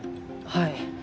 はい！